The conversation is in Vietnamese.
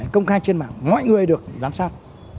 công khai trên mạng mọi người được giám sát